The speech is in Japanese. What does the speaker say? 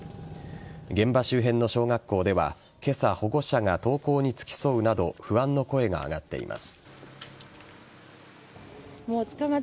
現場周辺の小学校では今朝、保護者が登校に付き添うなど不安の声が上がっています。